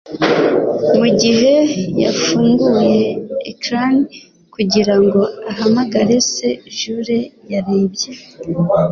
Mu gihe yafunguye ecran kugira ngo ahamagare se, Jule yarebye.